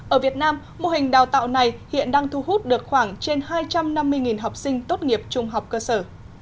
ở việt nam mô hình đào tạo này hiện đang thu hút được khoảng trên hai trăm năm mươi học sinh tốt nghiệp trung học cơ sở